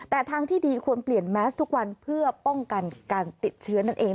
แต่ทางที่ดีควรเปลี่ยนแมสทุกวันเพื่อป้องกันการติดเชื้อนั่นเอง